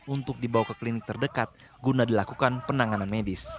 untuk dibawa ke klinik terdekat guna dilakukan penanganan medis